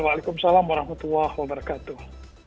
waalaikumsalam warahmatullahi wabarakatuh